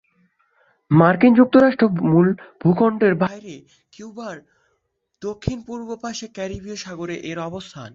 মার্কিন যুক্তরাষ্ট্রের মূল ভূ-খণ্ডের বাইরে কিউবার দক্ষিণ-পূর্ব পাশে ক্যারিবীয় সাগরে এর অবস্থান।